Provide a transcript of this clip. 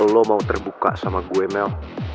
lo mau terbuka sama gue mel